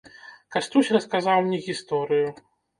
Кастусь расказаў мне гісторыю.